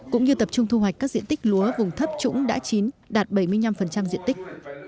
cũng như tập trung thu hoạch các diện tích lúa vùng thấp trũng đã chín đạt bảy mươi năm diện tích